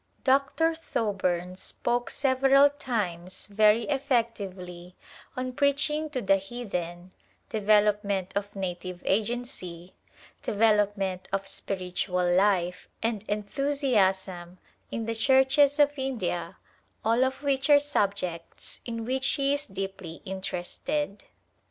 Dr. Thoburn spoke several times very effectively Decennial Conference at Calcittta on Preaching to the Heathen, Development of Native Agency, Development of Spiritual Life and Enthu siasm in the Churches of India, all of which are sub jects in which he is deeply interested.